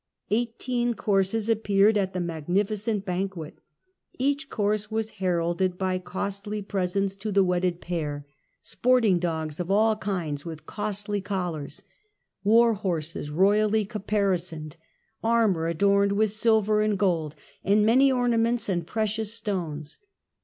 Eighteen courses appeared at this magnificent banquet. Each course was heralded by costly presents to the 190 THE END OF THE MIDDLE AGE wedded pair, sporting dogs of all kinds with costly collars, war horses royally caparisoned, armour adorned with silver and gold, and many ornaments and precious stones.